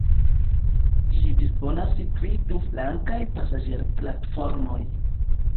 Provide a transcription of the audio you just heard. Ĝi disponas pri du flankaj pasaĝerplatformoj.